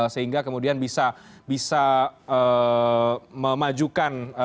sehingga kemudian bisa memajukan